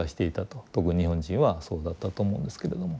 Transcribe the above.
特に日本人はそうだったと思うんですけれども。